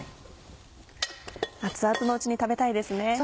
熱々のうちに食べたいですね。